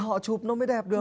thì họ chụp nó mới đẹp được